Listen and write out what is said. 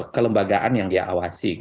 kelembagaan yang dia awasi